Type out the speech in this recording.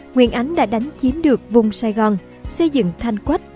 nguyễn ánh đã đánh chiếm được vùng sài gòn xây dựng thanh quách